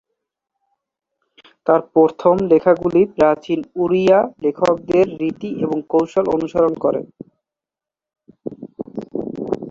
তার প্রথম লেখাগুলি প্রাচীন ওড়িয়া লেখকদের রীতি এবং কৌশল অনুসরণ করে।